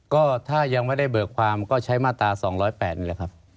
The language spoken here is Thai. ก็ถ้ายังไม่ได้เบิกความก็ใช้มาตรา๒๐๘นี่แหละครับ